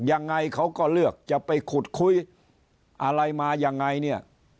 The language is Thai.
ยังไงเขาก็เลือกจะไปขุดคุยอะไรมายังไงเนี่ย